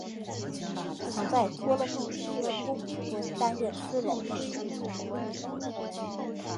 曾在托勒密五世宫廷中担任私人秘书。